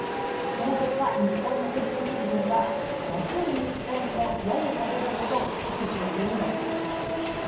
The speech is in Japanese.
その結果、日本の平均賃金は「安いニッポン」とやゆされるほど低い水準になっています。